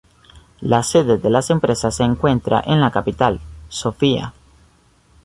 La sede de la empresa se encuentra en la capital, Sofía.